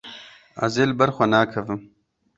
Ez ê li ber xwe nekevim.